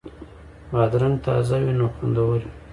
بادرنګ تازه وي نو خوندور وي.